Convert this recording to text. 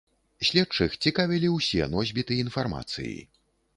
Следчых цікавілі усе носьбіты інфармацыі.